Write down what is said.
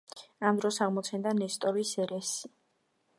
ამ დროს აღმოცენდა ნესტორის ერესი.